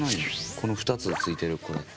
この２つついてるこれ。